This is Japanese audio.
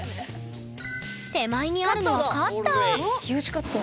手前にあるのはカッター。